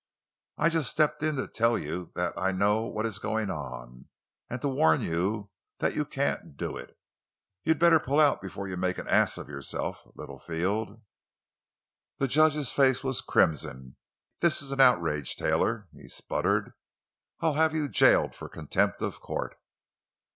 I just stepped in to tell you that I know what is going on, and to warn you that you can't do it! You had better pull out before you make an ass of yourself, Littlefield!" The judge's face was crimson. "This is an outrage, Taylor!" he sputtered. "I'll have you jailed for contempt of court!"